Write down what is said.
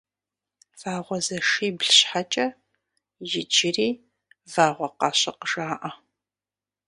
Вагъуэзэшибл щхьэкӀэ иджыри Вагъуэкъащыкъ жаӀэ.